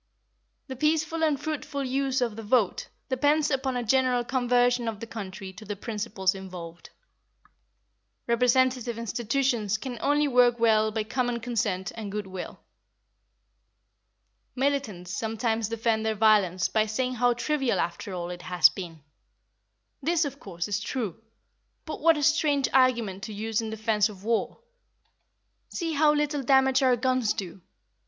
The peaceful and fruitful use of the vote depends upon a general conversion of the country to the principles involved. Representative institutions can only work well by common consent and goodwill. Militants sometimes defend their violence by saying how trivial, after all, it has been. This, of course, is true. But what a strange argument to use in defence of war! "See how little damage our guns do!"